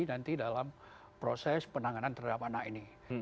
nanti dalam proses penanganan terhadap anak ini